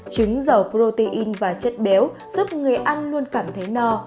trứng dầu protein và chất béo giúp người ăn luôn cảm thấy no